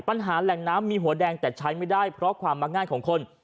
ปัญหาแหล่งน้ำมีหัวแดงแต่ใช้ไม่ได้เพราะความมักง่ายของคน